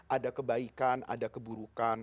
ada kebaikan ada keburukan